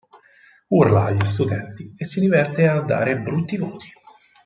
Urla agli studenti e si diverte a dare brutti voti.